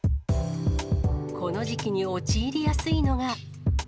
この時期に陥りやすいのが。